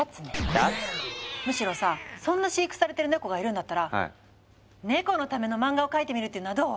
むしろさそんな飼育されてるネコがいるんだったらネコのための漫画を描いてみるっていうのはどう？